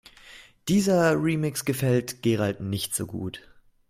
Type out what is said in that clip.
Dieser Remix gefällt Gerald nicht so gut.